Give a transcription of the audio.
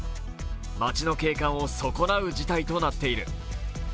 街の景観を損なう事態となっている。